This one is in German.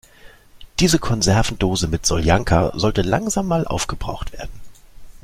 Diese Konservendose mit Soljanka sollte langsam mal aufgebraucht werden.